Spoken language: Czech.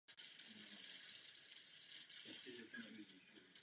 Zároveň je součástí obrany eura.